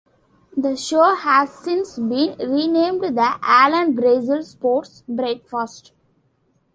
The show has since been renamed the 'Alan Brazil Sports Breakfast'.